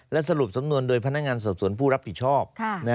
และสรุปสำนวนโดยพนักงานสอบสวนผู้รับผิดชอบ